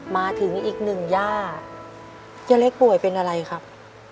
มาถึงอีกหนึ่งย่าย่าเล็กป่วยเป็นอะไรครับ